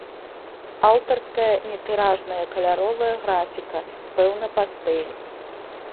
Аўтарская нетыражная каляровая графіка, пэўна пастэль.